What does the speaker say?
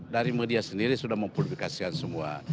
dari media sendiri sudah mempublikasikan semua